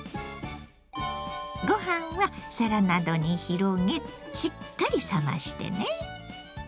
ご飯は皿などに広げしっかり冷ましてね。